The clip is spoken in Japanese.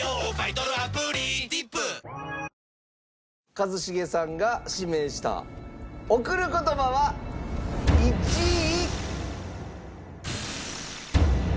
一茂さんが指名した『贈る言葉』は１位。